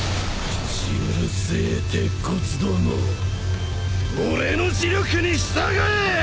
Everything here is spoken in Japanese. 口うるせぇ鉄骨ども俺の磁力に従え！